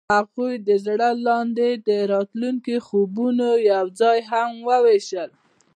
هغوی د زړه لاندې د راتلونکي خوبونه یوځای هم وویشل.